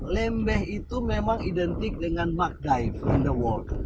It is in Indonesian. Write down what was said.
lembeh itu memang identik dengan mark dive on the world